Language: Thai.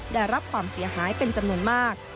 ได้รับความเสียหายเป็นจำนวนมาก